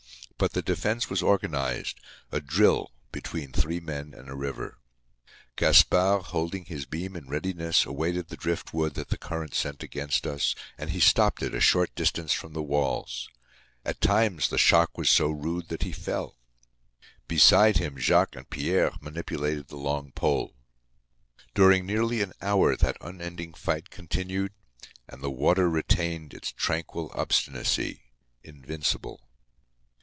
But the defense was organized—a drill between three men and a river. Gaspard, holding his beam in readiness, awaited the driftwood that the current sent against us, and he stopped it a short distance from the walls. At times the shock was so rude that he fell. Beside him Jacques and Pierre manipulated the long pole. During nearly an hour that unending fight continued. And the water retained its tranquil obstinacy, invincible.